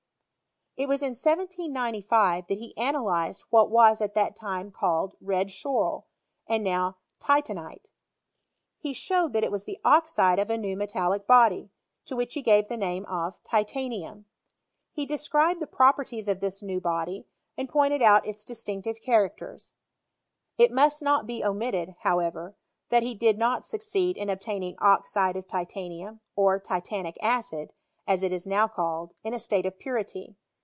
It was in 1795 that he analyzed what was at that time called rec? schorl, and now titanite. He showed that it was the oxide of a new metallic body, to which he gave the name of titanium. He described the properties of this new body, and pointed out its distinctive characters. It must not be omitted, however, that he did not succeed in obtaining oxide of titanium, or titanic add, as it is now called, in a state of purity.